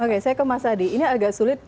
oke saya ke mas adi ini agak sulit